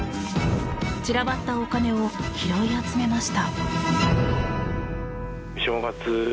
散らばったお金を拾い集めました。